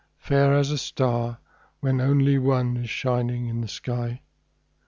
–Fair as a star, when only one Is shining in the sky.